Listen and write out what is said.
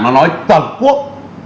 ta nói tầm cuộn